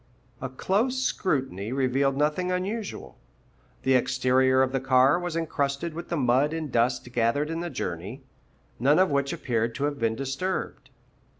A close scrutiny revealed nothing unusual. The exterior of the car was encrusted with the mud and dust gathered in the journey, none of which appeared to have been disturbed.